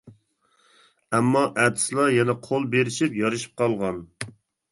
ئەمما ئەتىسىلا يەنە قول بېرىشىپ يارىشىپ قالغان.